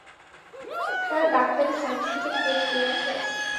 তারা ডাক্তারের সার্টিফিকেট মেনে নিয়েছে।